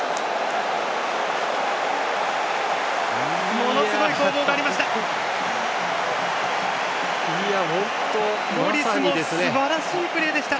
ものすごい攻防がありました。